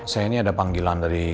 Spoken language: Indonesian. saya ini ada panggilan dari